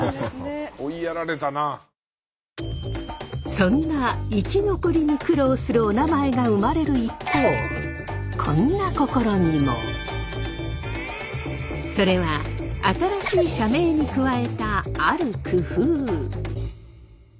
そんな生き残りに苦労するおなまえが生まれるそれは新しい社名に加えたある工夫。